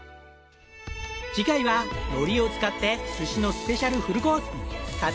次回は海苔を使って寿司のスペシャルフルコース！